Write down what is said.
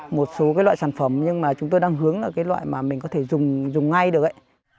một số cái loại sản phẩm nhưng mà chúng tôi đang hướng là cái loại mà mình có thể dùng ngay được ấy